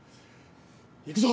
行くぞ。